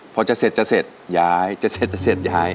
พอจะเสร็จจะเสร็จย้ายจะเสร็จจะเสร็จย้าย